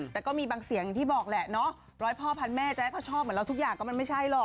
แต่ก็มีบางเสียงที่บอกแหละร้อยพ่อพันแม่จะได้พอชอบเหมือนเราทุกอย่างก็ไม่ใช่หรอก